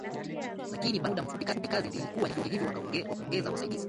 Lakini baada ya muda mfupi kazi zilikuwa nyingi hivyo wakaongeza Wasaidizi